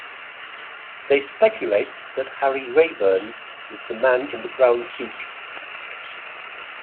They speculate that Harry Rayburn is the "Man in the Brown Suit".